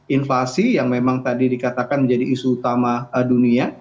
invasi yang memang tadi dikatakan menjadi isu utama dunia